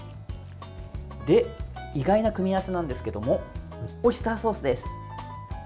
意外な組み合わせなんですけどもオイスターソースです。